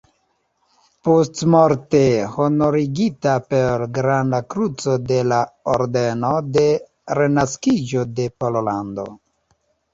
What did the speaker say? Postmorte honorigita per Granda Kruco de la Ordeno de Renaskiĝo de Pollando.